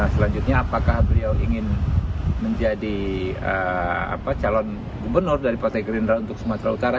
selanjutnya apakah beliau ingin menjadi calon gubernur dari partai gerindra untuk sumatera utara